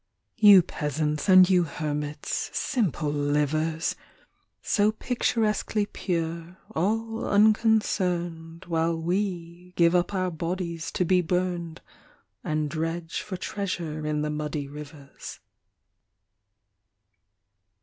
You peasants and you hermits, simple livers! So picturesquely pure, all unconcern While we give up our bodies to be burm And dredge for treasure in the muddy rivers.